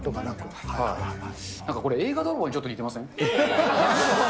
なんかこれ、映画泥棒にちょっと似てません？